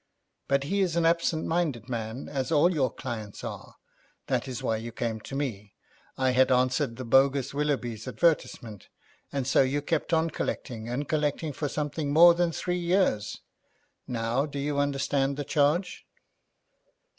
But he is an absent minded man, as all your clients are. That is why you came to me. I had answered the bogus Willoughby's advertisement. And so you kept on collecting and collecting for something more than three years. Now do you understand the charge?'